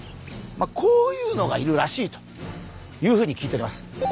こういうのがいるらしいというふうに聞いております。